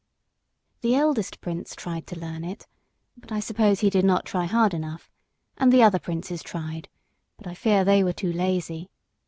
The eldest prince tried to learn it, but I suppose he did not try hard enough; and the other princes tried, but I fear they were too lazy.